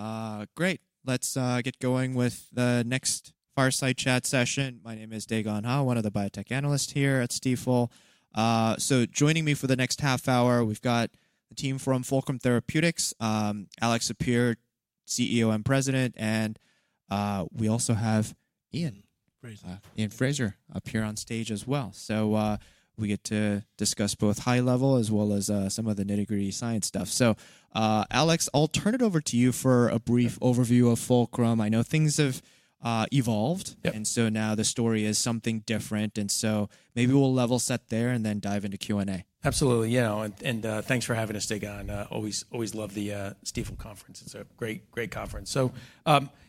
Okay. Great. Let's get going with the next Fireside Chat session. My name is Dae Gon Ha, one of the biotech analysts here at Stifel, so joining me for the next half hour, we've got the team from Fulcrum Therapeutics, Alex Sapir, CEO and President, and we also have Iain Fraser up here on stage as well. So we get to discuss both high level as well as some of the nitty-gritty science stuff. So Alex, I'll turn it over to you for a brief overview of Fulcrum. I know things have evolved, and so now the story is something different, and so maybe we'll level set there and then dive into Q&A. Absolutely. Yeah, and thanks for having us, Dae Gon. Always love the Stifel conference. It's a great conference. So,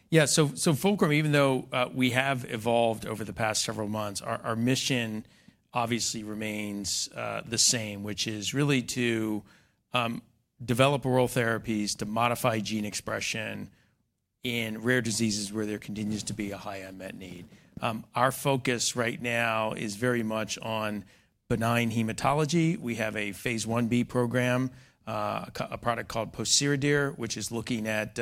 yeah. So Fulcrum, even though we have evolved over the past several months, our mission obviously remains the same, which is really to develop oral therapies to modify gene expression in rare diseases where there continues to be a high unmet need. Our focus right now is very much on benign hematology. We have a Phase Ib program, a product called pociredir, which is looking at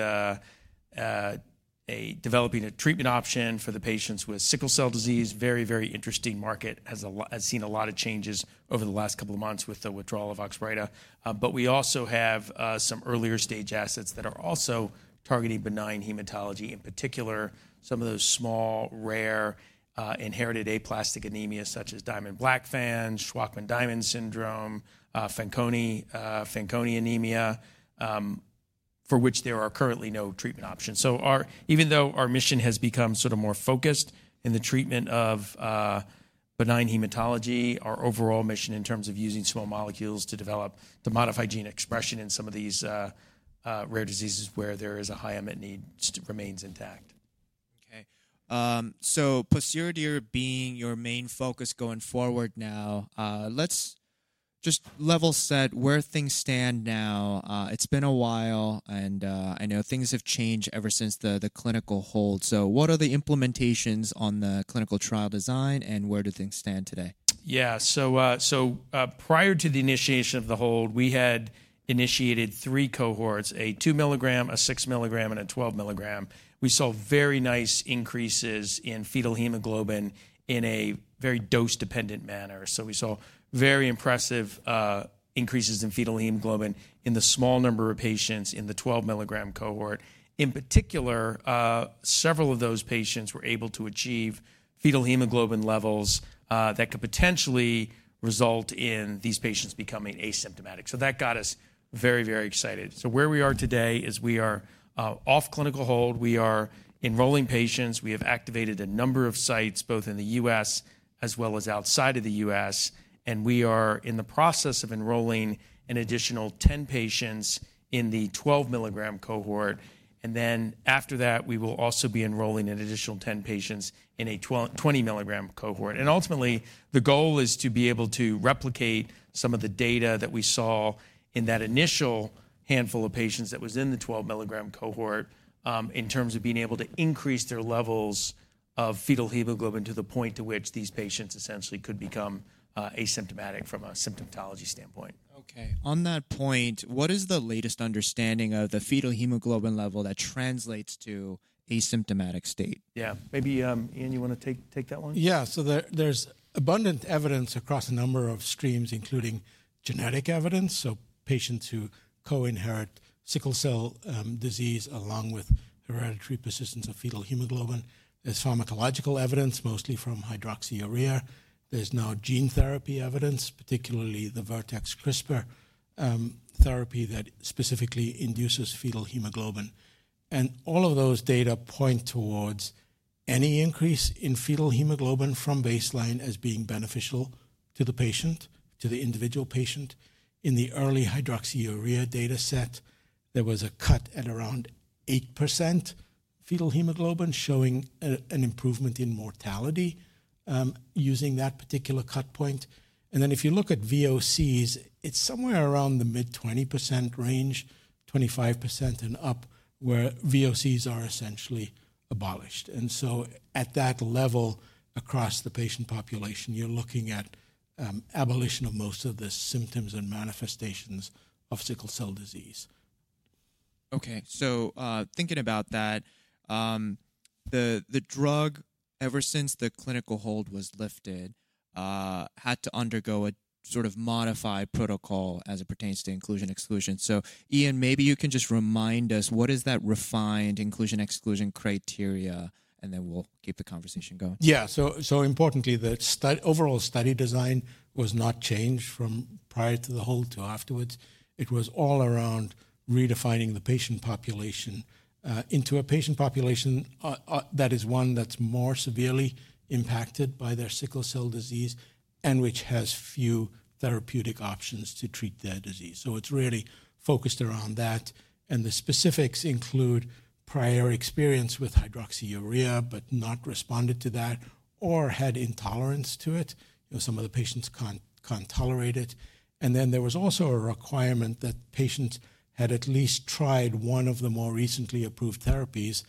developing a treatment option for the patients with sickle cell disease. Very interesting market. Has seen a lot of changes over the last couple of months with the withdrawal of Oxbrita. But we also have some earlier-stage assets that are also targeting benign hematology, in particular some of those small, rare, inherited aplastic anemias such as Diamond-Blackfan anemia, Shwachman-Diamond syndrome, Fanconi anemia, for which there are currently no treatment options. So our mission has become sort of more focused in the treatment of benign hematology, our overall mission in terms of using small molecules to develop, to modify gene expression in some of these rare diseases where there is a high unmet need remains intact. Okay. So pociredir being your main focus going forward now, let's just level set where things stand now. It's been a while and I know things have changed ever since the clinical hold. So what are the implications on the clinical trial design and where do things stand today? Yeah. So, prior to the initiation of the hold, we had initiated three cohorts, a 2 mg, a 6 mg, and a 12 mg. We saw very nice increases in fetal hemoglobin in a very dose-dependent manner. So we saw very impressive increases in fetal hemoglobin in the small number of patients in the 12 mg cohort. In particular, several of those patients were able to achieve fetal hemoglobin levels that could potentially result in these patients becoming asymptomatic. So that got us very, very excited. So where we are today is we are off clinical hold. We are enrolling patients. We have activated a number of sites both in the U.S. as well as outside of the U.S and we are in the process of enrolling an additional 10 patients in the 12 mg cohort. Then after that, we will also be enrolling an additional 10 patients in a 20 mg cohort. Ultimately, the goal is to be able to replicate some of the data that we saw in that initial handful of patients that was in the 12 mg cohort, in terms of being able to increase their levels of fetal hemoglobin to the point to which these patients essentially could become asymptomatic from a symptomatology standpoint. Okay. On that point, what is the latest understanding of the fetal hemoglobin level that translates to asymptomatic state? Yeah. Maybe, Iain, you wanna take that one? Yeah. So there, there's abundant evidence across a number of streams, including genetic evidence. So patients who co-inherit sickle cell disease along with hereditary persistence of fetal hemoglobin. There's pharmacological evidence, mostly from hydroxyurea. There's now gene therapy evidence, particularly the Vertex CRISPR therapy that specifically induces fetal hemoglobin. All of those data point towards any increase in fetal hemoglobin from baseline as being beneficial to the patient, to the individual patient. In the early hydroxyurea data set, there was a cut at around 8% fetal hemoglobin showing an improvement in mortality, using that particular cut point. Then if you look at VOCs, it's somewhere around the mid-20% range, 25% and up, where VOCs are essentially abolished. So at that level across the patient population, you're looking at abolition of most of the symptoms and manifestations of sickle cell disease. Okay. So, thinking about that, the drug ever since the clinical hold was lifted had to undergo a sort of modified protocol as it pertains to inclusion exclusion. So Iain, maybe you can just remind us what is that refined inclusion-exclusion criteria and then we'll keep the conversation going. Yeah. So importantly, the overall study design was not changed from prior to the hold to afterwards. It was all around redefining the patient population, into a patient population, that is one that's more severely impacted by their sickle cell disease and which has few therapeutic options to treat their disease. So it's really focused around that. The specifics include prior experience with hydroxyurea, but not responded to that or had intolerance to it. You know, some of the patients can't tolerate it. Then there was also a requirement that patients had at least tried one of the more recently approved therapies,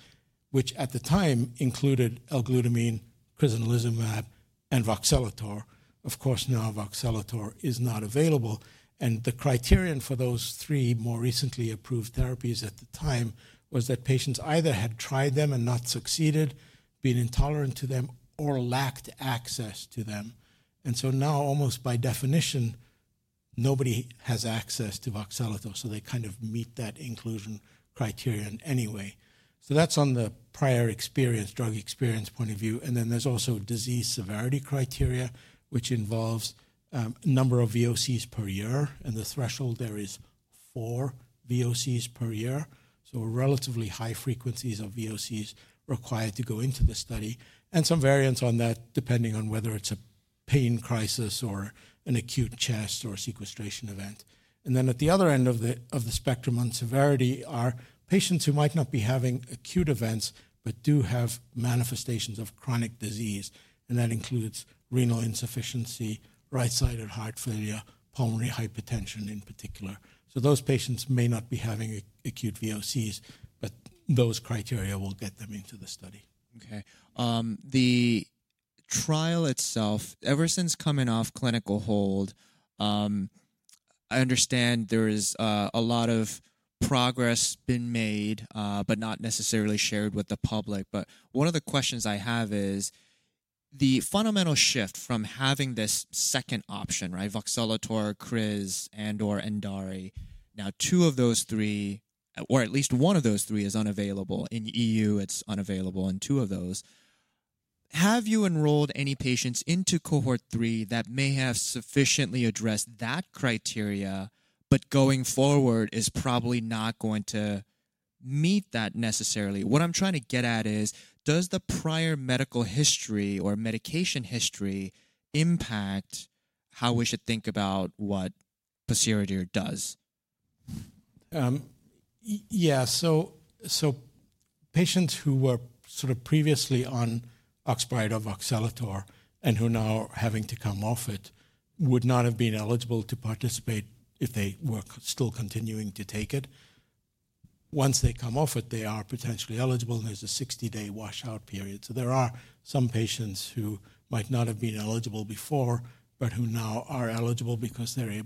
which at the time included L-glutamine, crizanlizumab, and voxelotor. Of course, now voxelotor is not available. The criterion for those three more recently approved therapies at the time was that patients either had tried them and not succeeded, been intolerant to them, or lacked access to them. So now, almost by definition, nobody has access to voxelotor. So they kind of meet that inclusion criterion anyway. So that's on the prior experience, drug experience point of view. Then there's also disease severity criteria, which involves a number of VOCs per year and the threshold there is four VOCs per year. So relatively high frequencies of VOCs required to go into the study and some variance on that, depending on whether it's a pain crisis or an acute chest or sequestration event. Then at the other end of the spectrum on severity are patients who might not be having acute events, but do have manifestations of chronic disease. That includes renal insufficiency, right-sided heart failure, pulmonary hypertension in particular. So those patients may not be having acute VOCs, but those criteria will get them into the study. Okay, the trial itself, ever since coming off clinical hold, I understand there's a lot of progress been made, but not necessarily shared with the public, but one of the questions I have is the fundamental shift from having this second option, right, voxelotor, criz, and/or Endari. Now, two of those three, or at least one of those three is unavailable. In EU, it's unavailable in two of those. Have you enrolled any patients into cohort three that may have sufficiently addressed that criteria, but going forward is probably not going to meet that necessarily? What I'm trying to get at is, does the prior medical history or medication history impact how we should think about what pociredir does? Yeah. So patients who were sort of previously on Oxbrita or voxelotor and who now are having to come off it would not have been eligible to participate if they were still continuing to take it. Once they come off it, they are potentially eligible. There's a 60-day washout period. So there are some patients who might not have been eligible before, but who now are eligible because they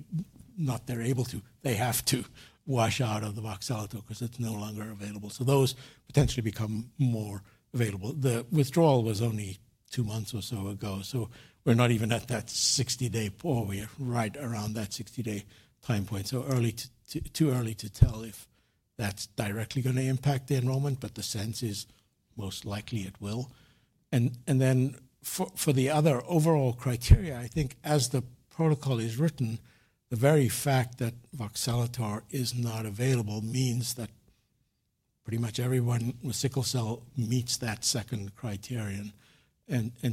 have to wash out of the voxelotor 'cause it's no longer available. So those potentially become more available. The withdrawal was only two months or so ago. So we're not even at that 60-day pool. We are right around that 60-day time point. So too early to tell if that's directly gonna impact the enrollment, but the sense is most likely it will. Then for the other overall criteria, I think as the protocol is written, the very fact that voxelotor is not available means that pretty much everyone with sickle cell meets that second criterion.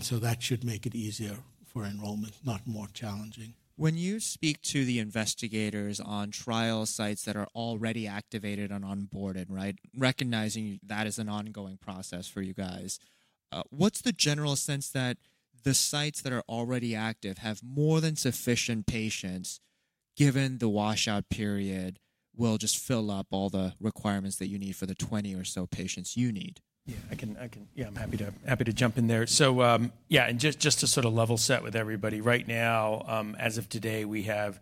So that should make it easier for enrollment, not more challenging. When you speak to the investigators on trial sites that are already activated and onboarded, right, recognizing that is an ongoing process for you guys, what's the general sense that the sites that are already active have more than sufficient patients given the washout period will just fill up all the requirements that you need for the twenty or so patients you need? Yeah, I can. Yeah, I'm happy to jump in there. So, yeah, and just to sort of level set with everybody right now, as of today, we have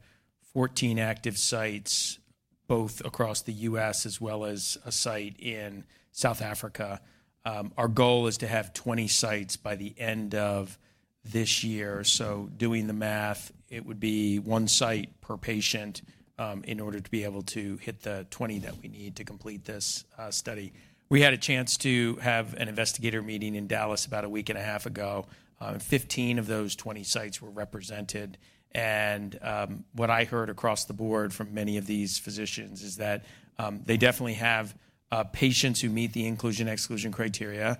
14 active sites both across the U.S. as well as a site in South Africa. Our goal is to have 20 sites by the end of this year. So doing the math, it would be one site per patient, in order to be able to hit the 20 that we need to complete this study. We had a chance to have an investigator meeting in Dallas about a week and a half ago. 15 of those 20 sites were represented. What I heard across the board from many of these physicians is that they definitely have patients who meet the inclusion exclusion criteria.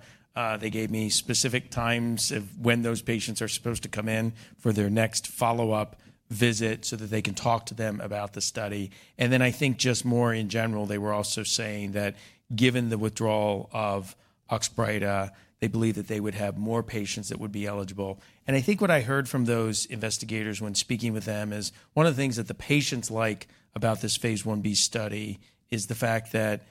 They gave me specific times of when those patients are supposed to come in for their next follow-up visit so that they can talk to them about the study. Then I think just more in general, they were also saying that given the withdrawal of Oxbrita, they believe that they would have more patients that would be eligible. I think what I heard from those investigators when speaking with them is one of the things that the patients like about this Phase Ib study is the fact that,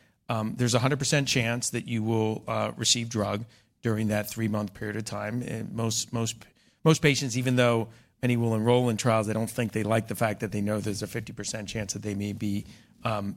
there's a 100% chance that you will, receive drug during that three-month period of time and most, most, most patients, even though many will enroll in trials, they don't think they like the fact that they know there's a 50% chance that they may be,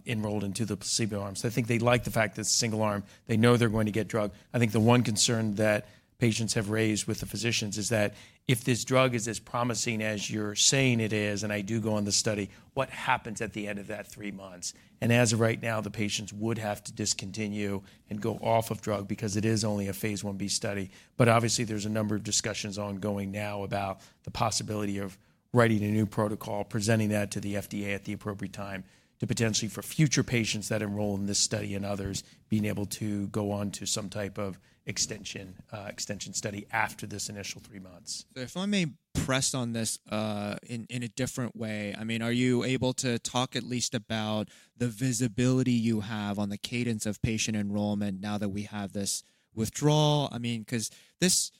enrolled into the placebo arm. So I think they like the fact that single arm, they know they're going to get drug. I think the one concern that patients have raised with the physicians is that if this drug is as promising as you're saying it is, and I do go on the study, what happens at the end of that three months? As of right now, the patients would have to discontinue and go off of drug because it is only a Phase Ib study. But obviously there's a number of discussions ongoing now about the possibility of writing a new protocol, presenting that to the FDA at the appropriate time to potentially for future patients that enroll in this study and others being able to go on to some type of extension, extension study after this initial three months. So if I may press on this, in a different way, I mean, are you able to talk at least about the visibility you have on the cadence of patient enrollment now that we have this withdrawal? I mean, 'cause this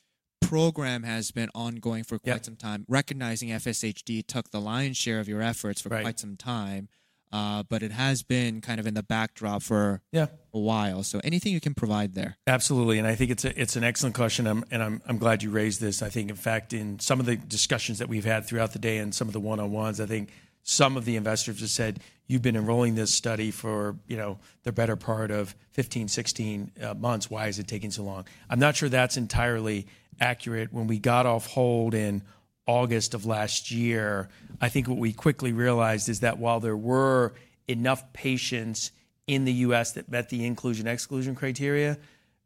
program has been ongoing for quite some time. Yeah. Recognizing FSHD took the lion's share of your efforts for quite some time- Right. -but it has been kind of in the backdrop for a while. So anything you can provide there? Absolutely, and I think it's an excellent question. I'm glad you raised this. I think in fact, in some of the discussions that we've had throughout the day and some of the one-on-ones, I think some of the investors have said, "You've been enrolling this study for, you know, the better part of fifteen, sixteen, months, why is it taking so long?" I'm not sure that's entirely accurate. When we got off hold in August of last year, I think what we quickly realized is that while there were enough patients in the U.S. that met the inclusion-exclusion criteria,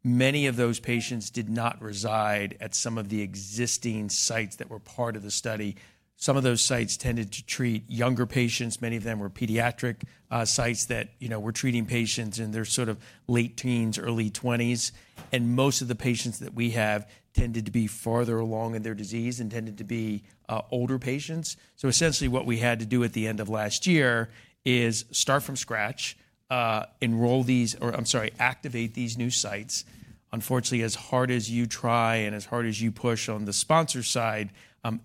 many of those patients did not reside at some of the existing sites that were part of the study. Some of those sites tended to treat younger patients. Many of them were pediatric sites that, you know, were treating patients in their sort of late teens, early twenties, and most of the patients that we have tended to be farther along in their disease and tended to be older patients, so essentially what we had to do at the end of last year is start from scratch, enroll these, or I'm sorry, activate these new sites. Unfortunately, as hard as you try and as hard as you push on the sponsor side,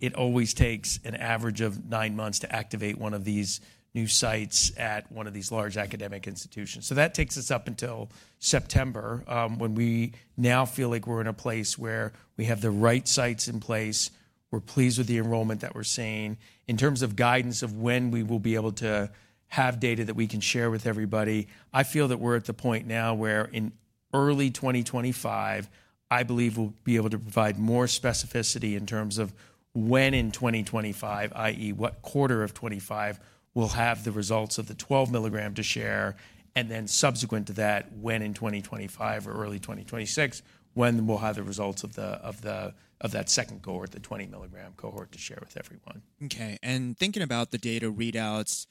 it always takes an average of nine months to activate one of these new sites at one of these large academic institutions, so that takes us up until September, when we now feel like we're in a place where we have the right sites in place. We're pleased with the enrollment that we're seeing in terms of guidance of when we will be able to have data that we can share with everybody. I feel that we're at the point now where in early 2025, I believe we'll be able to provide more specificity in terms of when in 2025, i.e., what quarter of 2025 we'll have the results of the 12 mg to share, and then subsequent to that, when in 2025 or early 2026, when we'll have the results of that second cohort, the 20 mg cohort to share with everyone. Okay. Thinking about the data readouts,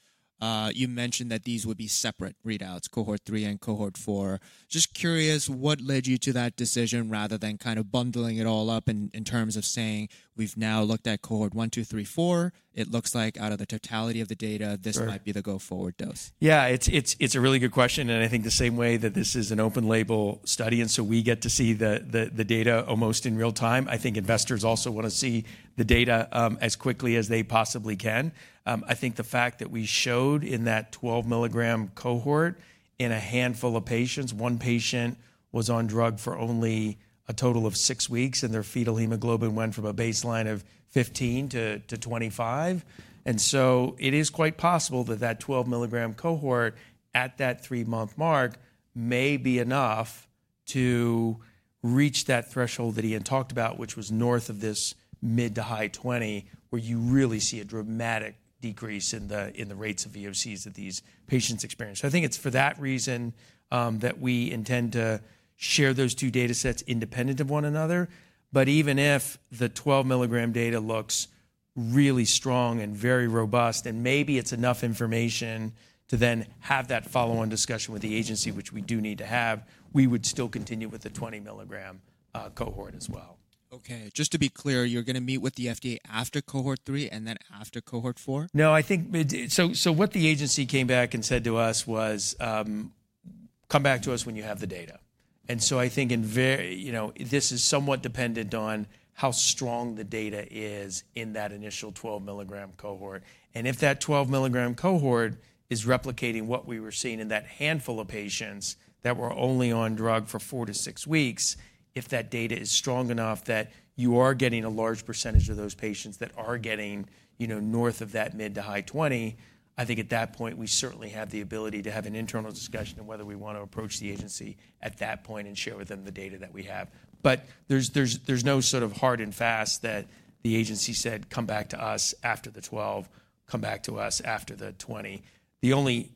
you mentioned that these would be separate readouts, cohort three and cohort four. Just curious, what led you to that decision rather than kind of bundling it all up in, in terms of saying we've now looked at cohort one, two, three, four? It looks like out of the totality of the data, this might be the go-forward dose. Yeah, it's a really good question, and I think the same way that this is an open-label study, and so we get to see the data almost in real time. I think investors also wanna see the data as quickly as they possibly can. I think the fact that we showed in that 12 mg cohort in a handful of patients, one patient was on drug for only a total of six weeks and their fetal hemoglobin went from a baseline of 15-25, and so it is quite possible that that 12 mg cohort at that three-month mark may be enough to reach that threshold that Iain talked about, which was north of this mid- to high- 20, where you really see a dramatic decrease in the rates of VOCs that these patients experience. So I think it's for that reason that we intend to share those two datasets independent of one another, but even if the 12 mg data looks really strong and very robust, and maybe it's enough information to then have that follow-on discussion with the agency, which we do need to have, we would still continue with the 20 mg cohort as well. Okay. Just to be clear, you're gonna meet with the FDA after cohort three and then after cohort four? No, I think so. So what the agency came back and said to us was, "Come back to us when you have the data." So I think, in very, you know, this is somewhat dependent on how strong the data is in that initial 12 mg cohort and if that 12 mg cohort is replicating what we were seeing in that handful of patients that were only on drug for four to six weeks. If that data is strong enough that you are getting a large percentage of those patients that are getting, you know, north of that mid- to high-20s, I think at that point we certainly have the ability to have an internal discussion of whether we wanna approach the agency at that point and share with them the data that we have. But there's no sort of hard and fast that the agency said, "Come back to us after the 12, come back to us after the 20." The only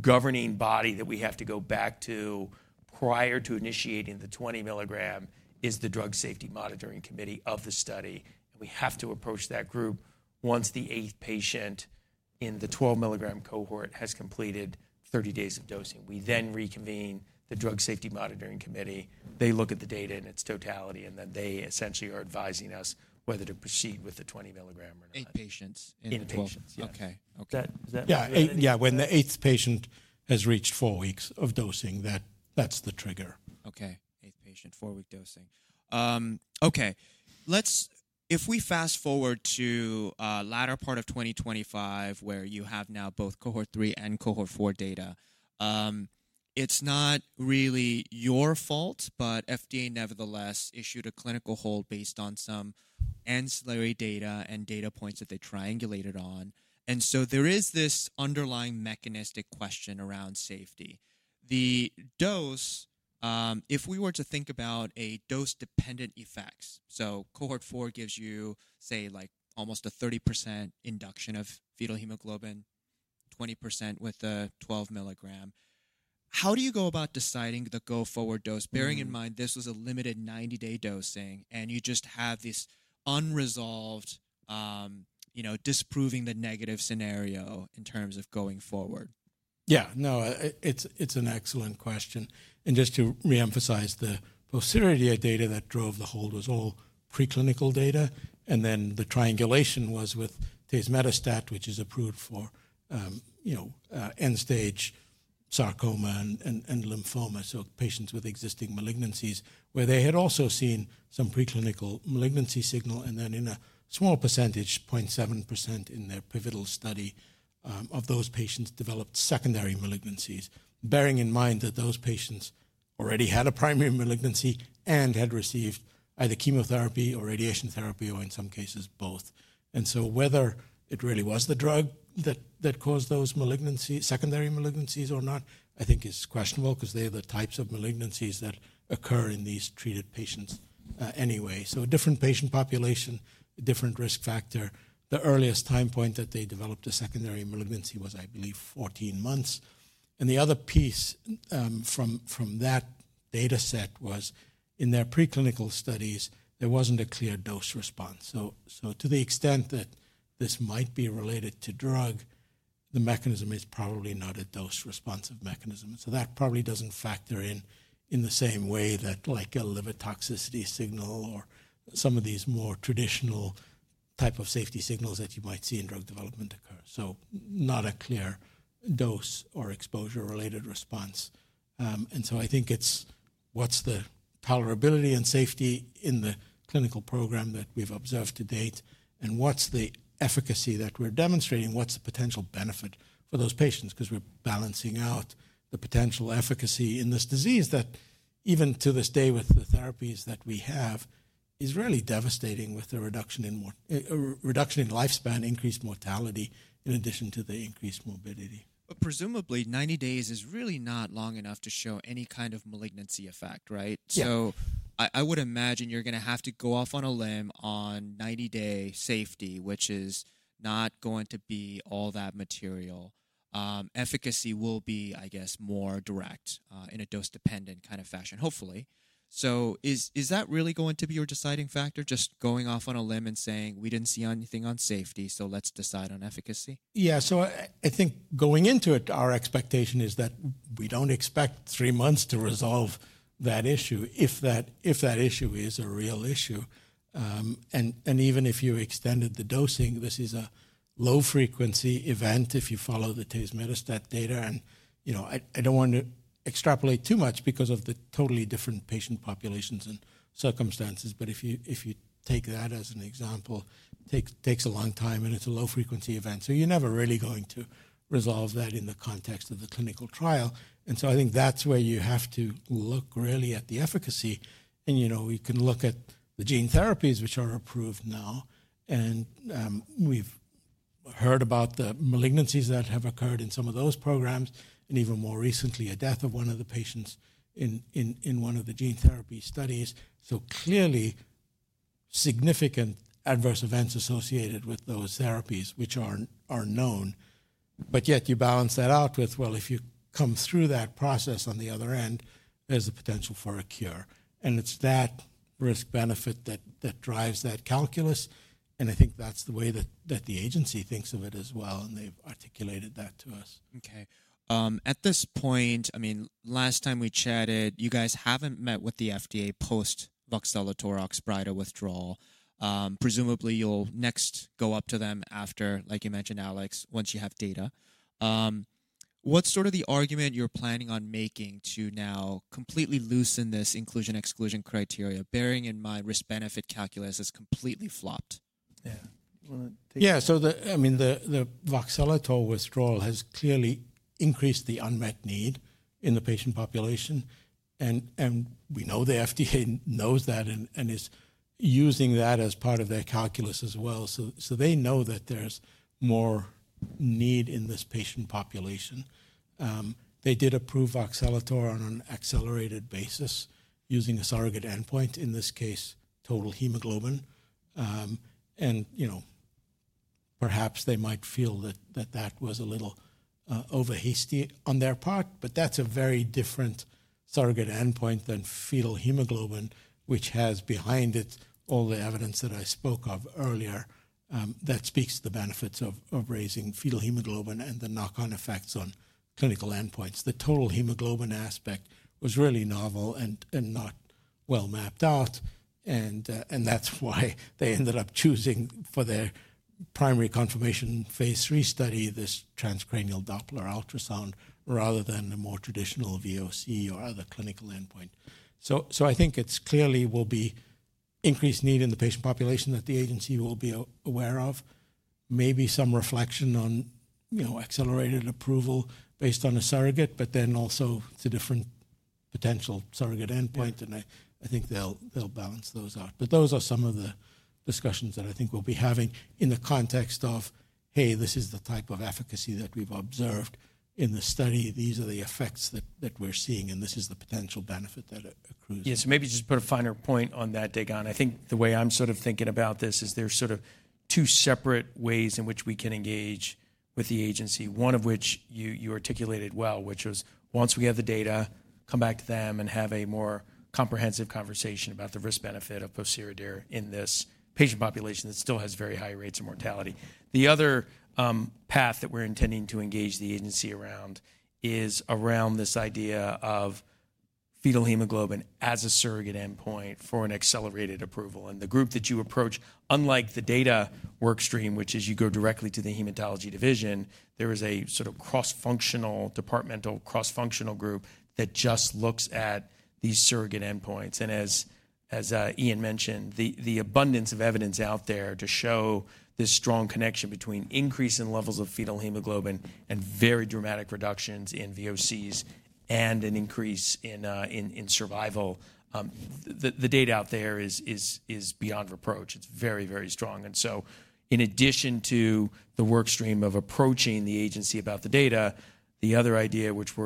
governing body that we have to go back to prior to initiating the 20 mg is the Drug Safety Monitoring Committee of the study and we have to approach that group once the eighth patient in the 12 mg cohort has completed 30 days of dosing. We then reconvene the Drug Safety Monitoring Committee. They look at the data in its totality, and then they essentially are advising us whether to proceed with the 20 mg or not. Eight patients in the twelve? In the twelve. Okay. Is that? Yeah. Yeah. When the eighth patient has reached four weeks of dosing that, that's the trigger. Okay. Eighth patient, four-week dosing. Okay. Let's, if we fast forward to, latter part of 2025 where you have now both cohort three and cohort four data, it's not really your fault, but FDA nevertheless issued a clinical hold based on some ancillary data and data points that they triangulated on, and so there is this underlying mechanistic question around safety. The dose, if we were to think about a dose-dependent effect, so cohort four gives you, say, like almost a 30% induction of fetal hemoglobin, 20% with the 12 mg. How do you go about deciding the go-forward dose, bearing in mind this was a limited 90-day dosing and you just have this unresolved, you know, disproving the negative scenario in terms of going forward? Yeah. No, it's, it's an excellent question and just to reemphasize the pociredir data that drove the hold was all preclinical data. Then the triangulation was with tazemetostat, which is approved for, you know, end-stage sarcoma and lymphoma. So patients with existing malignancies where they had also seen some preclinical malignancy signal. Then in a small percentage, 0.7% in their pivotal study, of those patients developed secondary malignancies, bearing in mind that those patients already had a primary malignancy and had received either chemotherapy or radiation therapy or in some cases both. So whether it really was the drug that, that caused those malignancies, secondary malignancies or not, I think is questionable 'cause they are the types of malignancies that occur in these treated patients, anyway. So a different patient population, a different risk factor. The earliest time point that they developed a secondary malignancy was, I believe, 14 months, and the other piece, from that dataset, was in their preclinical studies, there wasn't a clear dose-response. So to the extent that this might be related to drug, the mechanism is probably not a dose-responsive mechanism, and so that probably doesn't factor in, in the same way that like a liver toxicity signal or some of these more traditional type of safety signals that you might see in drug development occur. So not a clear dose or exposure-related response, and so I think it's what's the tolerability and safety in the clinical program that we've observed to date and what's the efficacy that we're demonstrating, what's the potential benefit for those patients because we're balancing out the potential efficacy in this disease that even to this day with the therapies that we have is really devastating with the reduction in lifespan, increased mortality in addition to the increased morbidity. But presumably 90 days is really not long enough to show any kind of malignancy effect, right? Yeah. So I would imagine you're gonna have to go off on a limb on 90-day safety, which is not going to be all that material. Efficacy will be, I guess, more direct, in a dose-dependent kind of fashion, hopefully. So is that really going to be your deciding factor, just going off on a limb and saying we didn't see anything on safety, so let's decide on efficacy? Yeah. So I think going into it, our expectation is that we don't expect three months to resolve that issue if that issue is a real issue and even if you extended the dosing, this is a low-frequency event if you follow the tazemetostat data. You know, I don't wanna extrapolate too much because of the totally different patient populations and circumstances. But if you take that as an example, takes a long time and it's a low-frequency event. So you're never really going to resolve that in the context of the clinical trial and so I think that's where you have to look really at the efficacy and, you know, we can look at the gene therapies, which are approved now. We've heard about the malignancies that have occurred in some of those programs, and even more recently, a death of one of the patients in one of the gene therapy studies. So clearly significant adverse events associated with those therapies, which are known. But yet you balance that out with well, if you come through that process on the other end, there's a potential for a cure. It's that risk-benefit that drives that calculus and I think that's the way that the agency thinks of it as well and they've articulated that to us. Okay. At this point, I mean, last time we chatted, you guys haven't met with the FDA post Oxbrita withdrawal. Presumably you'll next go up to them after, like you mentioned, Alex, once you have data. What's sort of the argument you're planning on making to now completely loosen this inclusion-exclusion criteria, bearing in mind risk-benefit calculus is completely flopped? Yeah. Yeah. So the, I mean, the voxelotor withdrawal has clearly increased the unmet need in the patient population. We know the FDA knows that and is using that as part of their calculus as well. They know that there's more need in this patient population. They did approve voxelotor on an accelerated basis using a surrogate endpoint, in this case, total hemoglobin. You know, perhaps they might feel that that was a little overhasty on their part, but that's a very different surrogate endpoint than fetal hemoglobin, which has behind it all the evidence that I spoke of earlier, that speaks to the benefits of raising fetal hemoglobin and the knock-on effects on clinical endpoints. The total hemoglobin aspect was really novel and not well mapped out. That's why they ended up choosing for their primary confirmation Phase III study, this transcranial Doppler ultrasound, rather than the more traditional VOC or other clinical endpoint. I think it's clearly will be increased need in the patient population that the agency will be aware of. Maybe some reflection on, you know, accelerated approval based on a surrogate, but then also to different potential surrogate endpoints. I think they'll balance those out. Those are some of the discussions that I think we'll be having in the context of, "Hey, this is the type of efficacy that we've observed in the study. These are the effects that we're seeing, and this is the potential benefit that it accrues." Yeah. So maybe just put a finer point on that, Daegon. I think the way I'm sort of thinking about this is there's sort of two separate ways in which we can engage with the agency, one of which you, you articulated well, which was once we have the data, come back to them and have a more comprehensive conversation about the risk-benefit of pociredir in this patient population that still has very high rates of mortality. The other path that we're intending to engage the agency around is around this idea of fetal hemoglobin as a surrogate endpoint for an accelerated approval and the group that you approach, unlike the data workstream, which is you go directly to the hematology division, there is a sort of cross-functional, departmental cross-functional group that just looks at these surrogate endpoints. As Iain mentioned, the abundance of evidence out there to show this strong connection between increase in levels of fetal hemoglobin and very dramatic reductions in VOCs and an increase in survival, the data out there is beyond reproach. It's very strong. So in addition to the workstream of approaching the agency about the data, the other idea, which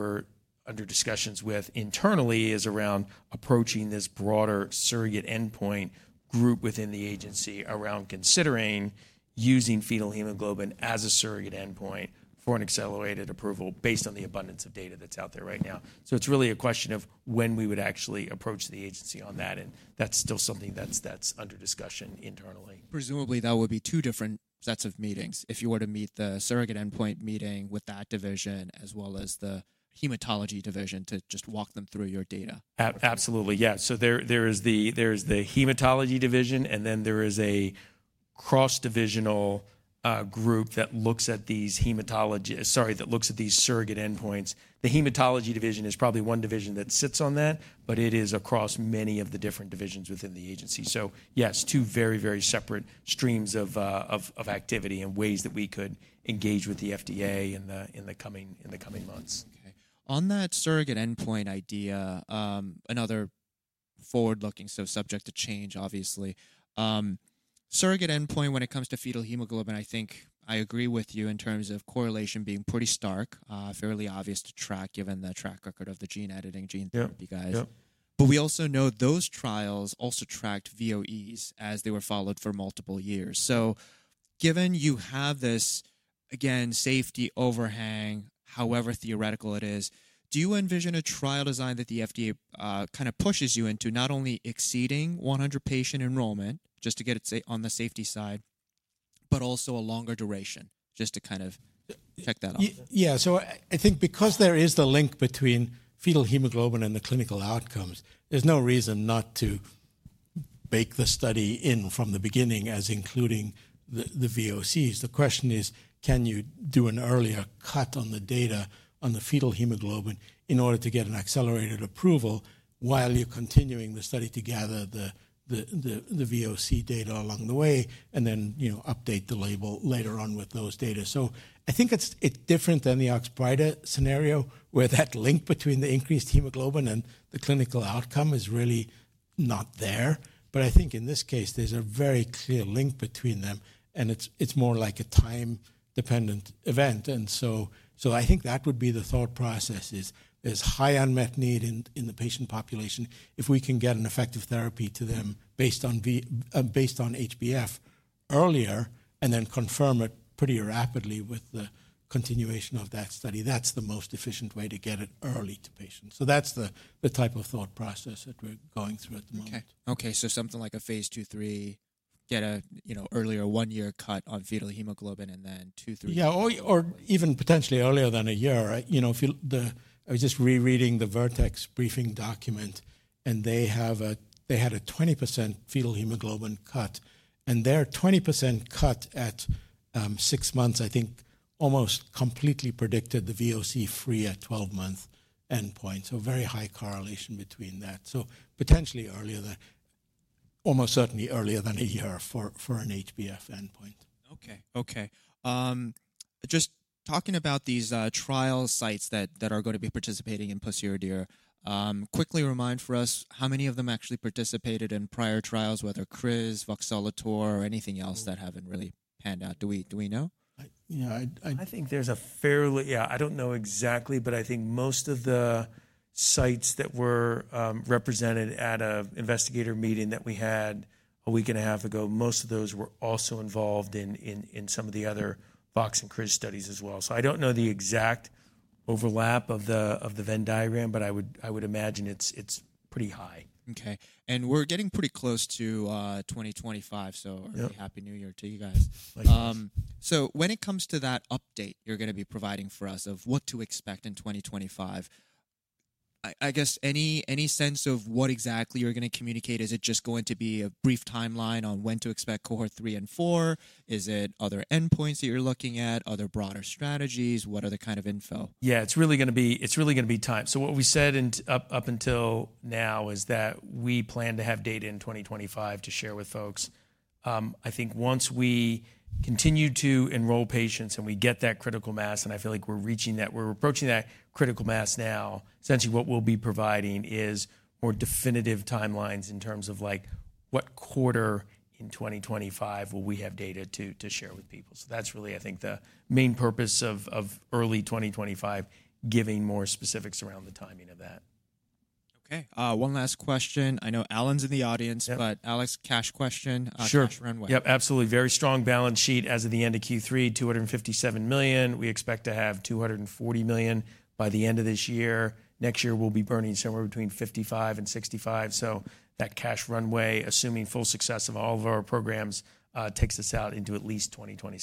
we're under discussions with internally, is around approaching this broader surrogate endpoint group within the agency around considering using fetal hemoglobin as a surrogate endpoint for an accelerated approval based on the abundance of data that's out there right now. So it's really a question of when we would actually approach the agency on that, and that's still something that's under discussion internally. Presumably that would be two different sets of meetings if you were to meet the surrogate endpoint meeting with that division as well as the hematology division to just walk them through your data. Absolutely. Yeah. So there is the hematology division, and then there is a cross-divisional group that looks at these surrogate endpoints. The hematology division is probably one division that sits on that, but it is across many of the different divisions within the agency. So yes, two very, very separate streams of activity and ways that we could engage with the FDA in the coming months. Okay. On that surrogate endpoint idea, another forward-looking, so subject to change, obviously, surrogate endpoint when it comes to fetal hemoglobin, I think I agree with you in terms of correlation being pretty stark, fairly obvious to track given the track record of the gene editing gene therapy guys. Yep. Yep. But we also know those trials also tracked VOEs as they were followed for multiple years. So given you have this, again, safety overhang, however theoretical it is, do you envision a trial design that the FDA, kind of pushes you into not only exceeding 100 patient enrollment, just to get it on the safety side, but also a longer duration, just to kind of check that off? Yeah. So I think because there is the link between fetal hemoglobin and the clinical outcomes, there's no reason not to bake the study in from the beginning as including the VOCs. The question is, can you do an earlier cut on the data on the fetal hemoglobin in order to get an accelerated approval while you're continuing the study to gather the VOC data along the way and then, you know, update the label later on with those data? So I think it's different than the Oxbrita scenario where that link between the increased hemoglobin and the clinical outcome is really not there. But I think in this case, there's a very clear link between them and it's more like a time-dependent event. So I think that would be the thought process is, there's high unmet need in the patient population. If we can get an effective therapy to them based on HbF earlier and then confirm it pretty rapidly with the continuation of that study, that's the most efficient way to get it early to patients. So that's the type of thought process that we're going through at the moment. Okay, so something like a Phase II, III, get a, you know, earlier one-year cut on fetal hemoglobin and then two, three. Yeah, or even potentially earlier than a year, you know, if the, I was just rereading the Vertex briefing document and they had a 20% fetal hemoglobin cut and their 20% cut at six months, I think almost completely predicted the VOC free at 12-month endpoint. So very high correlation between that. So potentially earlier than, almost certainly earlier than a year for an HbF endpoint. Okay, just talking about these trial sites that are gonna be participating in pociredir, quickly remind for us how many of them actually participated in prior trials, whether criz, voxelotor, or anything else that haven't really panned out? Do we know? I think there's a fairly, yeah, I don't know exactly, but I think most of the sites that were represented at an investigator meeting that we had a week and a half ago, most of those were also involved in some of the other Vox and criz studies as well. So I don't know the exact overlap of the Venn diagram, but I would imagine it's pretty high. Okay, and we're getting pretty close to 2025, so Happy New Year to you guys. Thank you. So when it comes to that update you're gonna be providing for us of what to expect in 2025, I, I guess any, any sense of what exactly you're gonna communicate? Is it just going to be a brief timeline on when to expect cohort three and four? Is it other endpoints that you're looking at, other broader strategies? What other kind of info? Yeah. It's really gonna be, it's really gonna be time. So what we said up until now is that we plan to have data in 2025 to share with folks. I think once we continue to enroll patients and we get that critical mass, and I feel like we're reaching that, we're approaching that critical mass now, essentially what we'll be providing is more definitive timelines in terms of like what quarter in 2025 will we have data to share with people. So that's really, I think, the main purpose of early 2025, giving more specifics around the timing of that. Okay. One last question. I know Alan's in the audience. Yep. But Alex, cash question. Cash runway. Sure. Yep. Absolutely. Very strong balance sheet as of the end of Q3, $257 million. We expect to have $240 million by the end of this year. Next year we'll be burning somewhere between $55 million and $65 million. So that cash runway, assuming full success of all of our programs, takes us out into at least 2025.